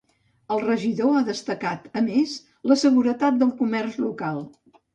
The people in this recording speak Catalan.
El regidor ha destacat a més la seguretat del comerç local.